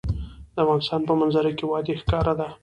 د افغانستان په منظره کې وادي ښکاره ده.